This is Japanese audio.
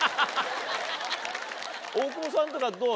大久保さんとかどう？